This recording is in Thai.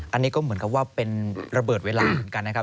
อันนี้ก็เหมือนกับว่าเป็นระเบิดเวลาเหมือนกันนะครับ